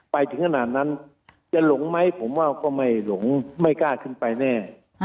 ไปถึงขนาดนั้นจะหลงไหมผมว่าก็ไม่หลงไม่กล้าขึ้นไปแน่